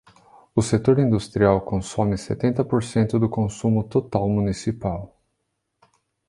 O setor industrial consome setenta por cento do consumo total municipal.